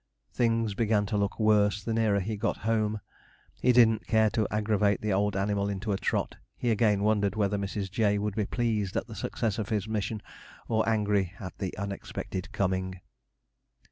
Things began to look worse the nearer he got home. He didn't care to aggravate the old animal into a trot. He again wondered whether Mrs. J. would be pleased at the success of his mission, or angry at the unexpected coming.